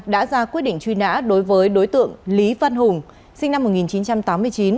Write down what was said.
đã ra quyết định truy nã đối với đối tượng lý văn hùng sinh năm một nghìn chín trăm tám mươi chín